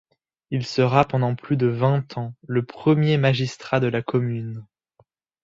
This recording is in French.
Il sera, pendant plus de vingt ans, le premier magistrat de la commune.